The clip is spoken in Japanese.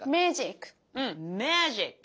うんメージック。